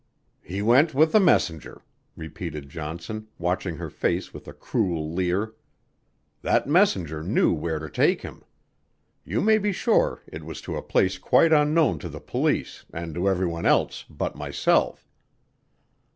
"He went with the messenger," repeated Johnson, watching her face with a cruel leer. "That messenger knew where to take him. You may be sure it was to a place quite unknown to the police and to every one else but myself.